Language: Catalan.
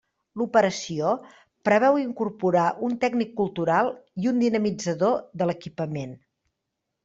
L'operació preveu incorporar un tècnic cultural i un dinamitzador de l'equipament.